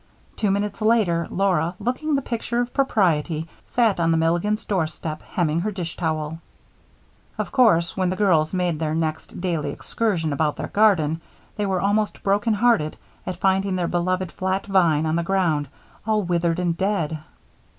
Two minutes later, Laura, looking the picture of propriety, sat on the Milligans' doorstep hemming her dish towel. Of course, when the girls made their next daily excursion about their garden they were almost broken hearted at finding their beloved vine flat on the ground, all withered and dead.